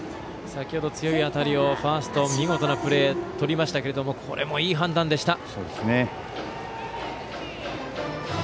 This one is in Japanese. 先程強い当たりをファースト、見事なプレーでとりましたけどこれもいい判断でした。